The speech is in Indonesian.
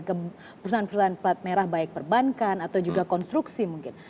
ke perusahaan perusahaan plat merah baik perbankan atau juga konstruksi mungkin